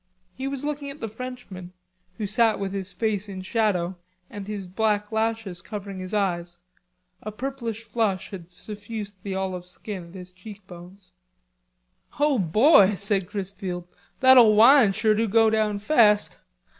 He was looking at the Frenchman, who sat with his face in shadow and his black lashes covering his eyes. A purplish flash had suffused the olive skin at his cheekbones. "Oh, boy," said Chrisfield. "That ole wine sure do go down fast....